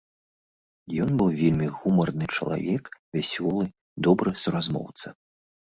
Ён быў вельмі гумарны чалавек, вясёлы, добры суразмоўца.